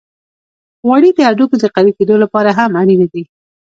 غوړې د هډوکو د قوی کیدو لپاره هم اړینې دي.